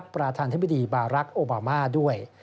ประธานธิบดีบารักษ์โอบามาด้วย